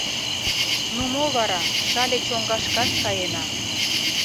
— Ну, мо вара, Шале чоҥгашкат каена.